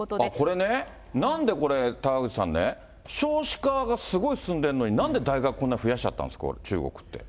これね、なんでこれ、高口さんね、少子化がすごい進んでるのに、なんで大学こんな増やしちゃったんですか、中国って。